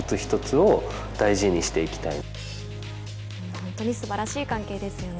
本当にすばらしい関係ですよね。